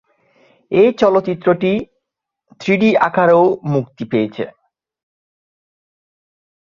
এ চলচ্চিত্রটি থ্রিডি আকারেও মুক্তি পেয়েছে।